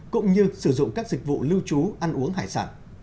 cũng như sử dụng các dịch vụ lưu trú ăn uống hải sản